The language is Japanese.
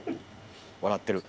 笑ってる。